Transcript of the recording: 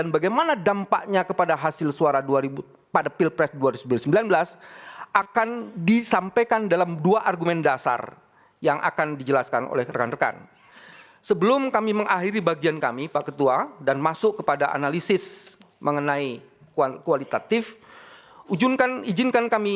bagaimana kekurangan pemilu atau elektoral fraud itu dilakukan